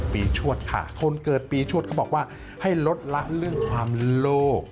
ชวดค่ะคนเกิดปีชวดเขาบอกว่าให้ลดละเรื่องความโลก